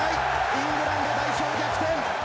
イングランド代表、逆転！